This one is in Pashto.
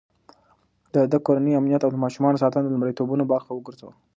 ده د کورنۍ امنيت او د ماشومانو ساتنه د لومړيتوبونو برخه وګرځوله.